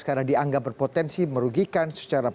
karena dianggap berpotensi merugikan